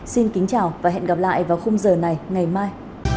xin kính chào và hẹn gặp lại vào khung giờ này ngày mai